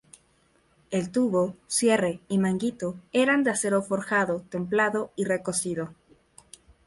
El tubo, cierre y manguito eran de acero forjado, templado y recocido.